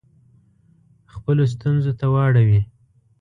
خپلو ستونزو ته واړوي.